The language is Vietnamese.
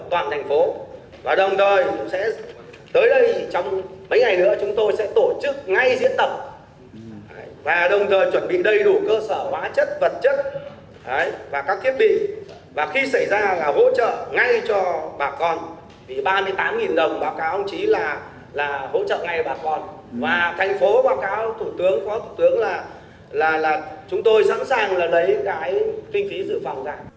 và thành phố báo cáo thủ tướng phó thủ tướng là chúng tôi sẵn sàng lấy cái kinh phí dự phòng ra